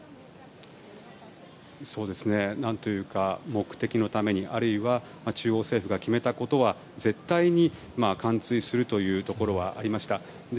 何というか目的のためにあるいは、中央政府が決めたことは絶対に完遂するというところはありました。